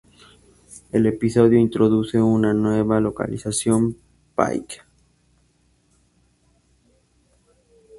El episodio introduce una nueva localización, Pyke.